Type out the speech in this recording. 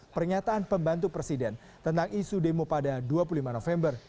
pernyataan pembantu presiden tentang isu demo pada dua puluh lima november